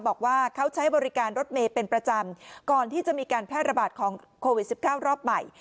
บอกว่าเขาใช้บริการรถเมย์เป็นประจำก่อนที่จะมีการแพร่ระบาดของโควิด๑๙รอบใหม่